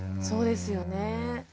そうですよね。